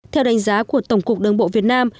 theo đánh giá của tổng cục đường bộ việt nam